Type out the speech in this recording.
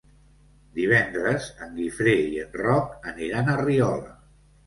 Divendres en Guifré i en Roc aniran a Riola.